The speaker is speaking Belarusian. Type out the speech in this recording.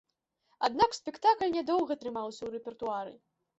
Аднак спектакль нядоўга трымаўся ў рэпертуары.